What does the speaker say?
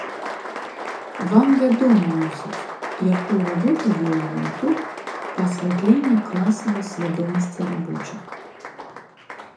Вам вядома, мусіць, якую работу вёў ён тут па асвятленні класавай свядомасці рабочых.